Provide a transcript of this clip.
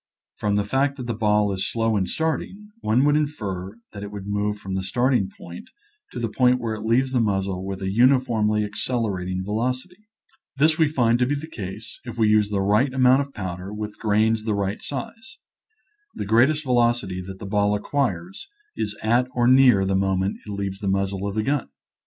From the fact that the ball is slow in starting, one would infer that it would move from the starting point to the point where it leaves the muzzle with a uniformly accelerating velocity. This we find to be the case if we use the right amount of powder, with grains the right size. The great est velocity that the ball acquires is at or near the moment it leaves the muzzle of the gun.